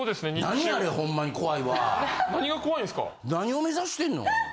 何を目指してんの？